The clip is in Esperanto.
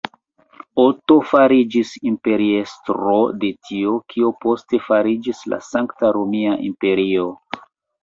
Oto fariĝis imperiestro de tio, kio poste fariĝis la Sankta Romia Imperio.